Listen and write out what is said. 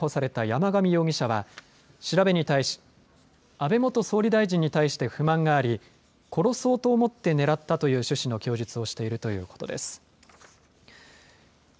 警察当局によりますと殺人未遂の疑いで逮捕された山上容疑者は調べに対し安倍元総理大臣に対して不満があり殺そうと思って狙ったという趣旨の供述をしているということです。